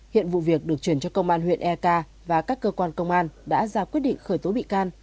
hiện vụ việc được chuyển cho công an huyện eka và các cơ quan công an đã ra quyết định khởi tố bị can